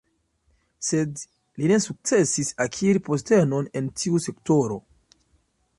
Sed li ne sukcesis akiri postenon en tiu sektoro.